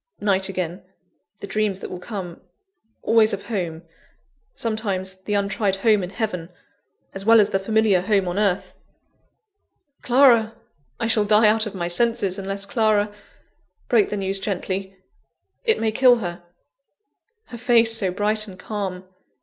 Night again the dreams that will come always of home; sometimes, the untried home in heaven, as well as the familiar home on earth Clara! I shall die out of my senses, unless Clara break the news gently it may kill her Her face so bright and calm!